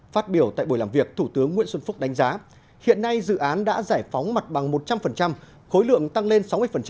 phát biểu tại buổi làm việc thủ tướng nguyễn xuân phúc đánh giá hiện nay dự án đã giải phóng mặt bằng một trăm linh khối lượng tăng lên sáu mươi